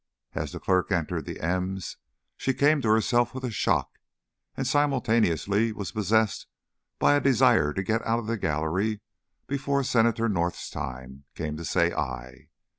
As the clerk entered the M's, she came to herself with a shock, and simultaneously was possessed by a desire to get out of the gallery before Senator North's time came to say "aye."